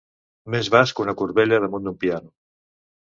Més bast que una corbella damunt d'un piano.